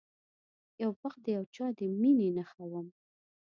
یو وخت د یو چا د میینې نښه وم